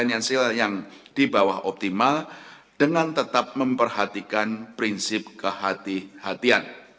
dan yang sila yang dibawah optimal dengan tetap memperhatikan prinsip kehatian